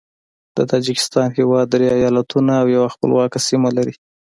د تاجکستان هیواد درې ایالتونه او یوه خپلواکه سیمه لري.